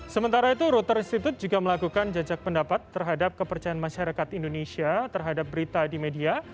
sementara itu router institute juga melakukan jajak pendapat terhadap kepercayaan masyarakat indonesia terhadap berita di media